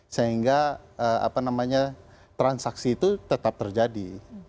sehingga transaksi itu tetap terjadi